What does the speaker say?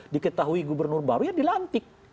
diketahui gubernur baru ya dilantik